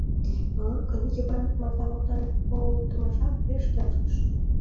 — Мылам гын Йыванын марла мутланен колтымыжак пеш келшыш.